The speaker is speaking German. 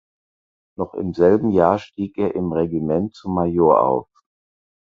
Noch im selben Jahr stieg er im Regiment zum Major auf.